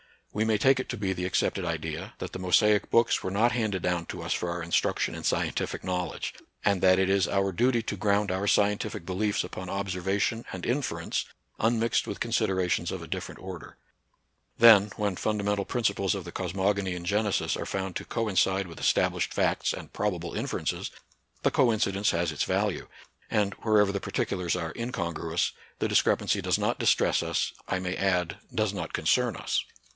We may take it to be the accepted idea that the Mosaic books were not handed down to us for our instruction in scientific knowledge, and that it is our duty to ground our scientific beliefs upon observation and inference, unmixed with considerations of a different order. Then, when fundamental principles of the cosmogony in Genesis are found to coincide with established facts and probable inferences, the coincidence has its value ; and wherever the particulars are incongruous, the discrepancy does not distress us. NATURAL SCIENCE AND RELIGION. 9 I may add, does not concern us.